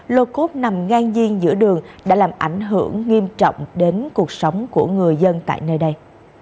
lô cốt nằm ngang nhiên giữa đường đã làm ảnh hưởng nghiêm trọng đến cuộc sống của người dân tại nơi đây